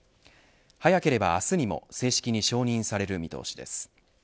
早ければ明日にも正式に承認される見通しです。